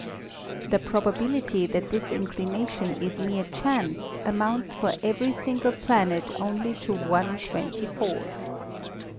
The probability that this inclination is mere chance amounts for every single planet only to one twenty fourth.